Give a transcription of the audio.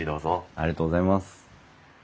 ありがとうございます。